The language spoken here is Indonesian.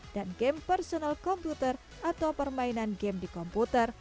dan game personal computer atau permainan game di komputer